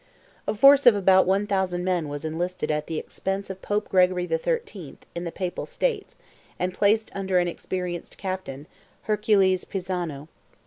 A force of about 1,000 men was enlisted at the expense of Pope Gregory XIII., in the Papal States, and placed under an experienced captain, Hercules Pisano.